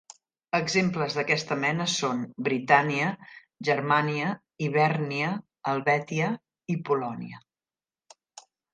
Exemples d'aquesta mena són Britània, Germània, Hibèrnia, Helvètia i Polònia.